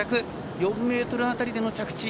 ４ｍ辺りでの着地。